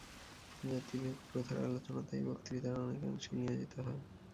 জাতিভেদ-প্রথার আলোচনাতেই বক্তৃতার অনেকাংশ নিয়োজিত হয়।